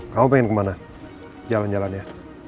kamu pengen kemana jalan jalannya